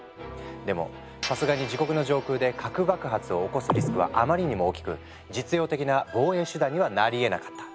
でもさすがに自国の上空で核爆発を起こすリスクはあまりにも大きく実用的な防衛手段にはなり得なかった。